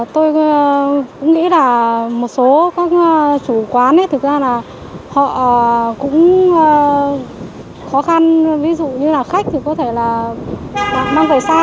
tôi cũng nghĩ là một số các chủ quán thực ra là họ cũng khó khăn ví dụ như là khách thì có thể là mang về xa